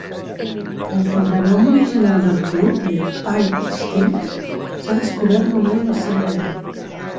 El sobrenom original del club, The Pipe Stems, s'ha descobert només recentment.